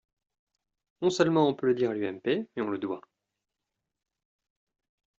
Non seulement on peut le dire à l’UMP, mais on le doit.